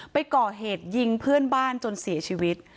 ไปก่อเหตุยิงเพื่อนบ้านจนเสียชีวิต